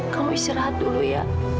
kamu istirahat dulu ya